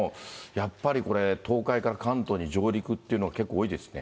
やっぱりこれ、東海から関東に上陸っていうの、結構多いですね。